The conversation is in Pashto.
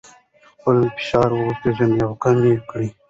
خپل فشار وپیژنئ او کم یې کړئ.